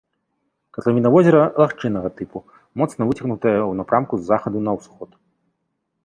Катлавіна возера лагчыннага тыпу, моцна выцягнутая ў напрамку з захаду на ўсход.